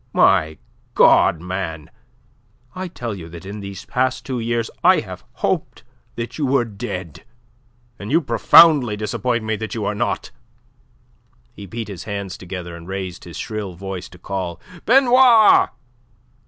My God, man, I tell you that in these past two years I have hoped that you were dead, and you profoundly disappoint me that you are not!" He beat his hands together, and raised his shrill voice to call "Benoit!"